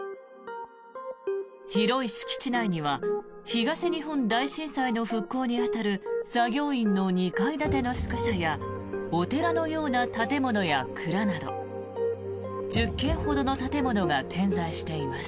広い敷地内には東日本大震災の復興に当たる作業員の２階建ての宿舎やお寺のような建物や蔵など１０軒ほどの建物が点在しています。